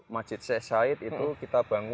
masjid said said itu kita bangun